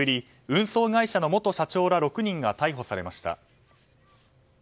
運送会社の元社長ら６人が逮捕されました。